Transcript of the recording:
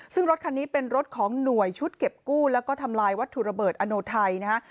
ซึ่งรถคันนี้เป็นรถของหน่วยชุดเก็บกู้แล้วก็ทำลายวัตถุระเบิดอโนไทยนะฮะ